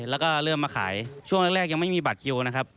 แล้วก็เริ่มมาขายช่วงแรกยังไม่มีบัตรคิวนะครับ